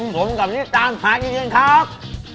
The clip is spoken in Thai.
ผมกับนิดตามหากินกันครับ